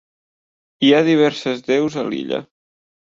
Hi ha diverses deus a l'illa.